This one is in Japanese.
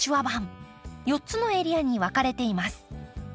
４つのエリアに分かれています。